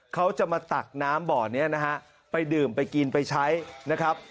เขาจะมาตักน้ำบ่อนี้นะฮะไปดื่มไปกินไปใช้นะครับ